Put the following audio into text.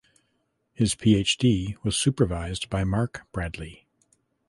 His PhD was supervised by Mark Bradley.